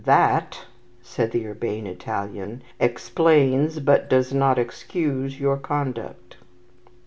"That," said the urbane Italian, "explains, but does not excuse your conduct."